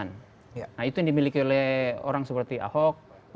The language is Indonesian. nah itu yang dimiliki oleh orang seperti ahok